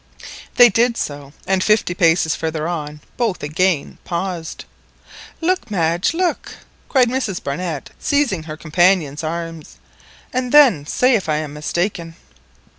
They did so, and fifty paces farther on both again paused. "Look, Madge, look!" cried Mrs Barnett, seizing her companion's arm, "and then say if I am mistaken."